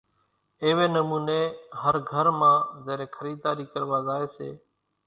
ايوي نموني ھر گھر مان زيرين خريداري ڪروا زائي سي